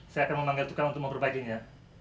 saya akan memanggil tukang untuk memperbaikinya